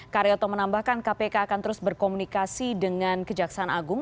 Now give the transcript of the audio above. karyoto menambahkan kpk akan terus berkomunikasi dengan kejaksaan agung